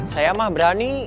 saya mah berani